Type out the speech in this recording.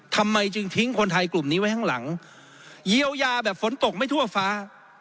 ทำไมจึงทิ้งคนไทยกลุ่มนี้ไว้ข้างหลังเยียวยาแบบฝนตกไม่ทั่วฟ้า